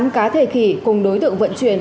tám cá thể khỉ cùng đối tượng vận chuyển